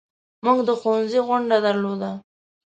موږ د ښوونځي غونډه درلوده.